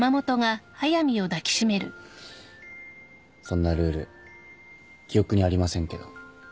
そんなルール記憶にありませんけど。